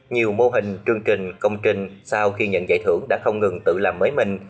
nhiều mô hình chương trình công trình sau khi nhận giải thưởng đã không ngừng tự làm mới mình